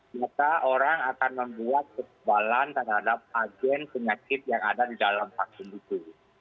maka orang akan membuat kekebalan terhadap agen penyakit yang ada di dalam vaksin itu